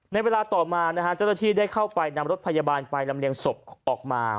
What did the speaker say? ในเวลาต่อมานะฮะเจ้าหน้าที่ได้เข้าไปนำรถพยาบาลไปลำเลียงศพออกมา